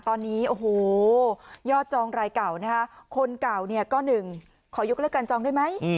ตอนนี้โอ้โหยอดจองรายเก่านะคะคนเก่าเนี่ยก็๑ขอยกเลิกการจองได้ไหม